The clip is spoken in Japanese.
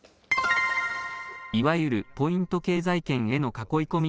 いわゆるポイント経済圏への囲い込み